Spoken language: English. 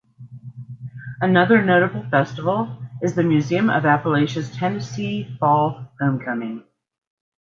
Another notable festival is The Museum of Appalachia's Tennessee Fall Homecoming.